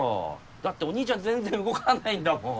だってお兄ちゃん全然動かないんだもん。